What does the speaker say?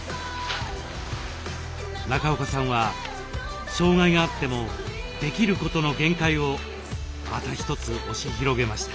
中岡さんは障害があってもできることの限界をまた一つ押し広げました。